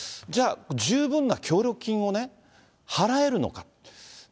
じゃあ、十分な協力金をね、払えるのか。